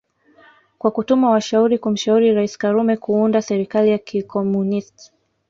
kwa kutuma washauri kumshauri raisi karume kuunda serikali ya kikomunist